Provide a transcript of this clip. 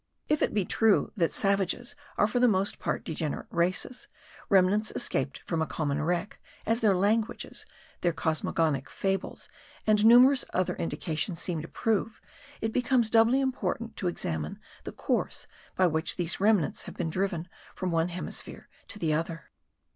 If it be true that savages are for the most part degenerate races, remnants escaped from a common wreck, as their languages, their cosmogonic fables, and numerous other indications seem to prove, it becomes doubly important to examine the course by which these remnants have been driven from one hemisphere to the other.